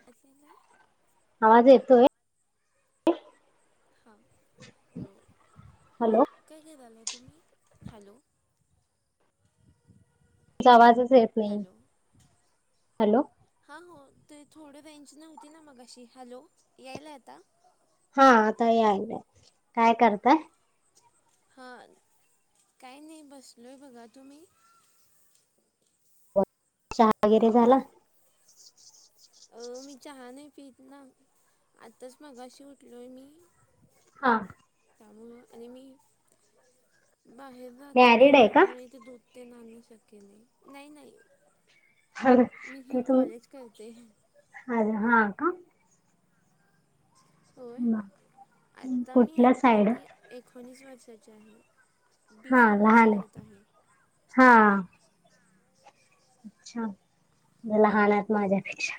[unintelligible] आवाज येतोय. हां. अ. हॅलो. काय करालाय तुम्ही हॅलो. आवाजच येत नाही हॅलो. हा हो ते थोडी रेंज नव्हती ना, मगाशी हॅलो यायलाय आता. हा आता यायलाय, काय करताय. हां काय नाही, बसलोय बघा तुम्ही. चहा वगैरे झाला. अ मी चहा नाही पीत ना, आताच मगाशी उठलोय मी. हां. तांमुळ आणि मी बाहेर जाते ना. मॅरिड आहे का त्यामुळे इथे दु ते [unintelligible] नाही नाही. हर मी तेथून कॉलेज करते [unintelligible] हा का. होय आता मी कुठल्या ऐका की साईड ती. एकोणीस वर्षाची आहे. बी हा फार्मासी लहान करत आहे हा होय. अच्छा लहान आहात माझ्यापेक्षा.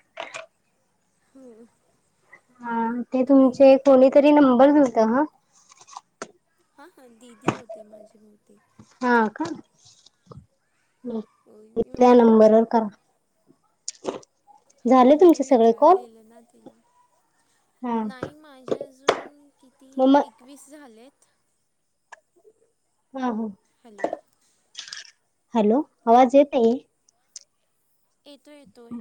हो. हा ते तुम्ही तुमचे कोणीतरी नंबर दिलंत हं. हा हा दीदी होती माझी बहुतेक. हा का हो मी त्या म्हटलो नंबरवर करा. ह झाले मी तुमचे सगळे कॉल विचारलेलं ना तिला. हा नाही माझ्या अजून किती मग म एकवीस झालेत. हा हा. हॅलो! हॅलो आवाज येत आहे? येतो येतोय.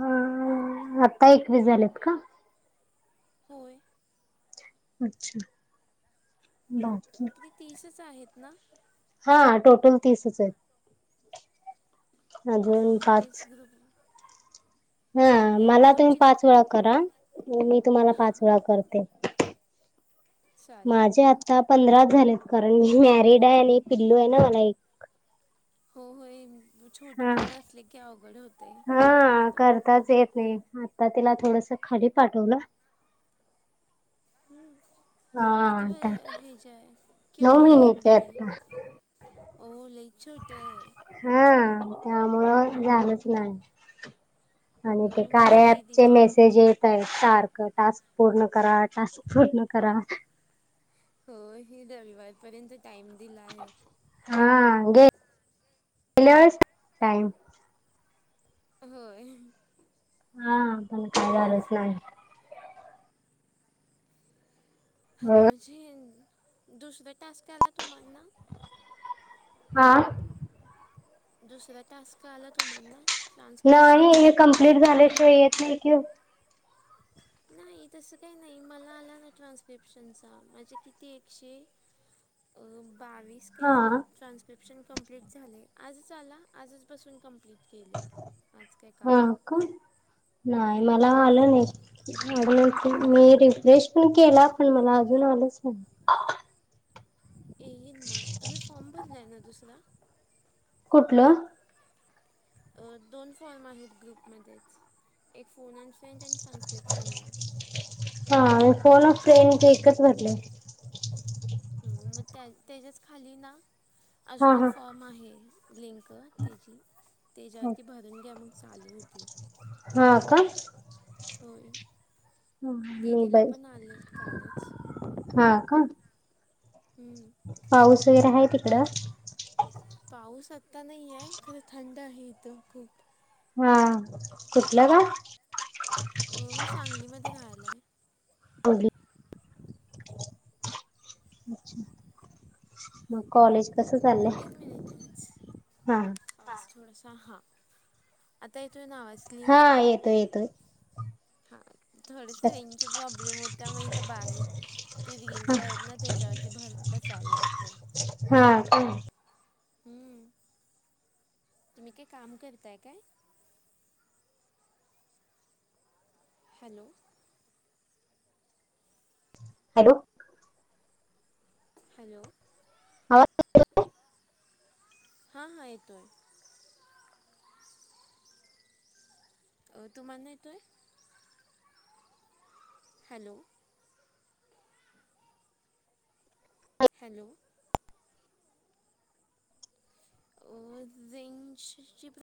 ह आता एकवी झालेत का? होय. अच्छा बाकीकी [unintelligible] ते तीसच आहेत ना? हा टोटल तीसच आहेत. हा अजून मग तेच पाच ग्रुप [unintelligible] हा मला तुम्ही तुमचे पाच वेळा करा मी तुम्हाला हां पाच वेळा करते. चालेल माझे आता पंधरा झालेत कारण मी मॅरिड आहे आणि पिल्लू आहे ना मला एक. हो होय छोटे हा पोर असले की अवघड होते हा [unintelligible] [unintelligible] आता तिला थोडसं खाली पाठवलं. हम्म हा [unintelligible] किती व आता ह्याच्या नऊ केवढी आहे महिन्याची मग ती? आता हो लयच छोटी आहे. हा त्यामुळं झालंच नाही. आणि अ ते माझी कार्या अँपचे दिदीची पण मेसेज य सारख टास्क पूर्ण करा टास्क पूर्ण करा. हो हि रविवारपर्यंत टाइम दिला आहे. हा गे [unintelligible] होय. हा तसंच [unintelligible] [unintelligible] हो म्हणजे दुसरं टास्क आला तुम्हा ना? हा. दुसरा टास्क आल तुम्हाला? नाही हे कम्प्लीट झाल्याशिवाय येत नाही कि आओ नाही तसं काही नाही मला आला ना ट्रान्स्क्रिप्शनचा माझे किती एकशे अ बावीस हा कायतरी ट्रान्स्क्रिप्शन कंप्लीट झाले आजच आला आजच बसून कंप्लीट केले आज काय हा काल का नाही मला होय आलं नाही. [unintelligible] मी रिफ्रेश पण केला पण मला अजून आलंच नाही. येईल मग तुम्ही फॉर्म भरलाय ना दुसरा? कुठलं? अ दोन फॉर्म आहेत ग्रुप मधेच एक फोन [unintelligible] ट्रान्सक्रिपशन चा. हा फोन फ्रेंडचे एकच भरले. हम मग त्या त्याच्याच खाली ना हा अजून एक हा फॉर्म आहे. लिंक त्याची. त्याच्यावरती भरून घ्या मग चालू होती. हा का होय मी दिदीला ब पण आले काल. हा का? हम्म. पाऊस वगैरे आहे तिकडं? पाऊस आता नाही आहे खरं थंड आहे इथं खूप. हा कुठलं का गाव? मी सांगलीमध्ये राहिला आहे. अच्छा [unintelligible] मग कॉलेज कस चाललंय? हा. पासवर्डचा हा आत्ताचा हा आत्ता येतोय ना आवाज? हा क्लिअर येतो येतोय. हा थोडेसे रेंच प्रॉब्लेम होत्या मग ईथ बाहेर ते व्हील्स हा आहेत ना त्याच्यावरती भर बसायला लागते. हा. हम्म. तुम्ही काय काम करताय काय? हॅलो. हॅलो. हॅलो. आवाज हा हा येतोय. अ तुम्हाना येतोय? हॅलो. हॅलो. अ जिंक शिंप [unintelligible]